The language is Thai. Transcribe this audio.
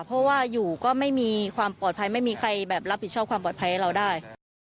เพราะว่าอยู่ก็ไม่มีความปลอดภัยไม่มีใครแบบรับผิดชอบความปลอดภัยให้เราได้